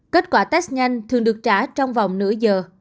kết quả test nhanh thường được trả trong vòng nửa giờ